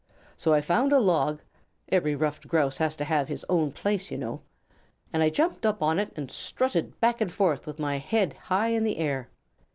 So I found a log (every Ruffed Grouse has to have his own place, you know) and I jumped up on it and strutted back and forth with my head high in the air.